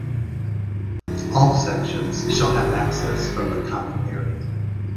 All sections shall have access from the common area.